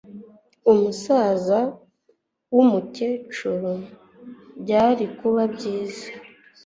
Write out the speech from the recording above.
Umusaza wumukene Byari kuba byiza